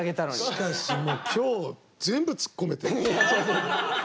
しかしもう今日全部ツッコめてる。